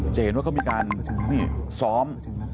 จะเห็นว่าเขามีการซ้อม